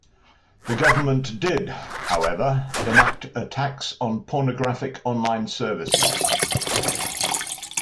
The government did however enact a tax on pornographic online services.